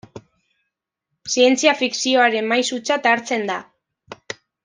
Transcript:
Zientzia fikzioaren maisutzat hartzen da.